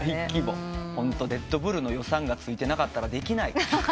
ホントレッドブルの予算がついてなかったらできない。